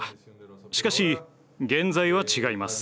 しかし現在は違います。